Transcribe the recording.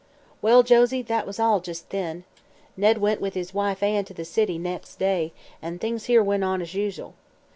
"Well, Josie, that was all, just then. Ned went with his wife Ann to the city, nex' day, an' things here went on as usual.